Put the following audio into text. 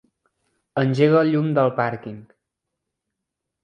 Engega el llum del pàrquing.